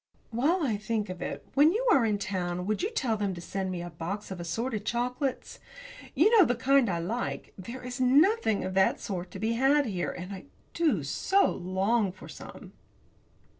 While I think of it, when you are in town will you tell them to send me a box of assorted chocolates? You know the kind I like. There is nothing of that sort to be had here, and I do so long for some.